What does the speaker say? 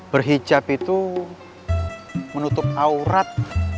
berhijab itu menutup aurat untuk wanita muslimah yang berhijab